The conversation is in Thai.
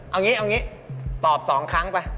เอาอย่างนี้ตอบ๒ครั้งไป